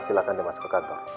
silahkan dia masuk ke kantor